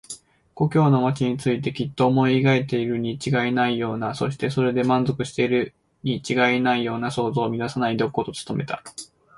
故郷の町についてきっと思い描いているにちがいないような、そしてそれで満足しているにちがいないような想像を乱さないでおこうと努めた。